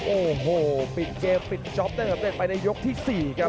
โอ้โหปิดเกมปิดจอปได้เฉลิมเกียรติไปในยกที่๔ครับ